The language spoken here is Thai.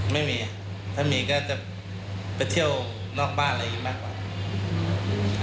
ไม่มีถ้ามีก็จะไปเที่ยวนอกบ้านอะไรอีกมากกว่า